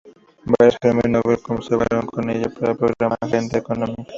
Varios Premio Nobel conversaron con ella para el programa Agenda Económica.